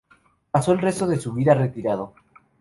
Pasó el resto de su vida retirado.